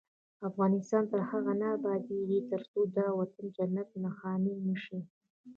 افغانستان تر هغو نه ابادیږي، ترڅو دا وطن جنت نښان نشي.